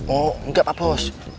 oh enggak pak bos